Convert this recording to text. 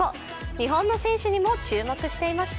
日本の選手にも注目していました。